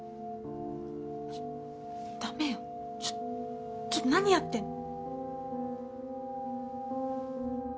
ダメよちょっと何やってんの。